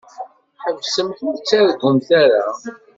Ḥesbsemt ur ttargumt ara.